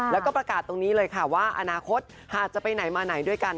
แล้วก็ประกาศตรงนี้เลยค่ะว่าอนาคตหากจะไปไหนมาไหนด้วยกัน